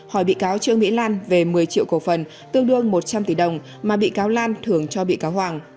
hỏi bị cáo trương mỹ lan về một mươi triệu cổ phần tương đương một trăm linh tỷ đồng mà bị cáo lan thưởng cho bị cáo hoàng